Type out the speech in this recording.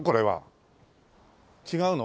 違うの？